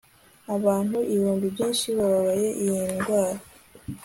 Abantu ibihumbi byinshi babaye iyi ndwara